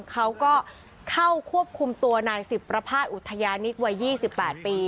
เขาก็เข้าควบคุมตัวนายสิบประพาทอุทยานิกวัย๒๘ปี